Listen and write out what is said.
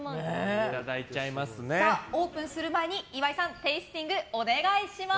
オープンする前に岩井さん、テイスティングお願いします。